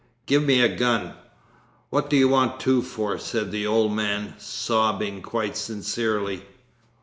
Give me a gun! What do you want two for?' said the old man, sobbing quite sincerely.